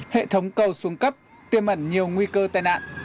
hệ thống cầu xuống cấp tiêm ẩn nhiều nguy cơ tai nạn